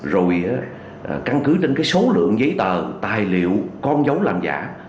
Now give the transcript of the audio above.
rồi căn cứ trên cái số lượng giấy tờ tài liệu con giấu làm giả